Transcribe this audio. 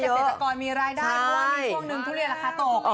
ให้สติศัตริย์มีรายได้เพราะมีช่วงนึงทุเรียนราคาตก